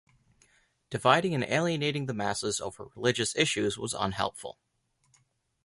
Dividing and alienating the masses over religious issues was unhelpful.